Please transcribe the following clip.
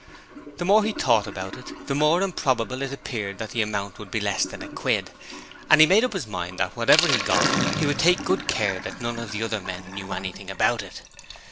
The more he thought about it the more improbable it appeared that the amount would be less than a quid, and he made up his mind that whatever he got he would take good care that none of the other men knew anything about it.